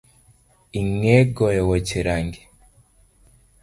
Ing’e goyo wuoche rangi?